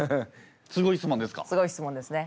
すごい質問ですか？